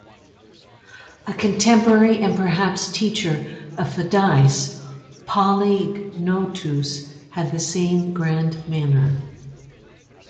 A contemporary and perhaps teacher of Pheidias, Polygnotus had the same grand manner.